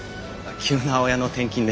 急な親の転勤で。